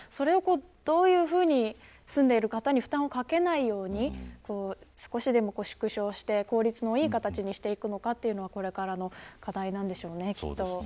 どういうふうに住んでいる方に負担をかけないように少しでも縮小して、効率のいい形にしていくのかはこれからの課題なんでしょうね。